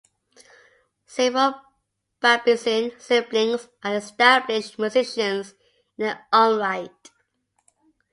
Several Babitzin siblings are established musicians in their own right.